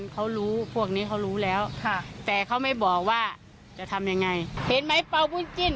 แกอุ้มสีสาพพระจริงไหม